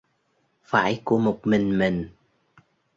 Phải của một mình mình